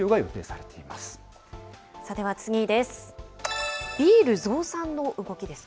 さあ、では次です。